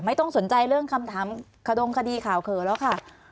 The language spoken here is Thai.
ไม่ต้องสนใจเรื่องคำถามขดงคดีข่าวเขินแล้วค่ะ